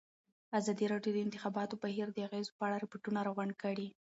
ازادي راډیو د د انتخاباتو بهیر د اغېزو په اړه ریپوټونه راغونډ کړي.